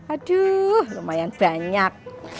aduh lumayan banyak